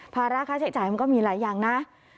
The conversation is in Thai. ภาระค่าใช้จ่ายมันก็มีหลายอย่างนะ